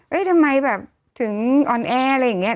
เอ๊ะทำไมแบบถึงออนแอร์อะไรอย่างเงี้ย